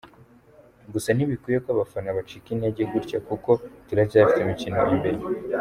Gusa ntibikwiye ko abafana bacika intege gutya kuko turacyafite imikino imbere.